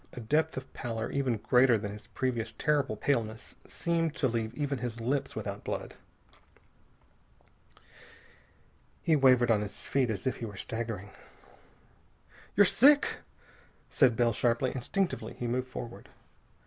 A depth of pallor even greater than his previous terrible paleness seemed to leave even his lips without blood. He wavered on his feet, as if he were staggering. "You're sick!" said Bell sharply. Instinctively he moved forward.